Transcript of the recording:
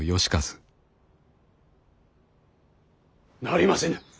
なりませぬ。